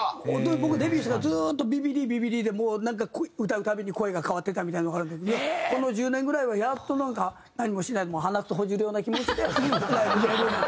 僕デビューしてからずっとビビりビビりでもうなんか歌うたびに声が変わってたみたいなのがあるんだけどこの１０年ぐらいはやっとなんか何もしないで鼻クソほじるような気持ちでライブやるようになった。